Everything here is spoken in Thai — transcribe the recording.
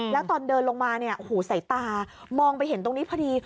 แล้วตอนเดินลงมาเนี่ยหูสายตามองไปเห็นตรงนี้พอดี